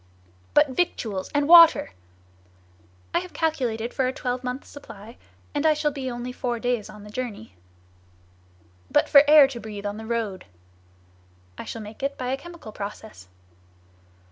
"But victuals and water?" "I have calculated for a twelvemonth's supply, and I shall be only four days on the journey." "But for air to breathe on the road?" "I shall make it by a chemical process."